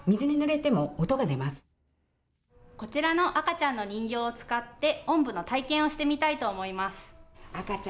こちらの赤ちゃんの人形を使っておんぶの体験をしてみたいと思います。